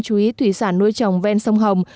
chú ý thủy sản nuôi trồng ven sông hồng